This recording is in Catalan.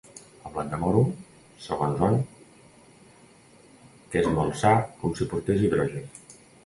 El blat de moro, segons on, que és molt sa com si portés hidrogen.